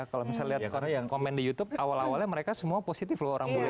kalau misalnya lihat komen di youtube awal awalnya mereka semua positif loh orang boleh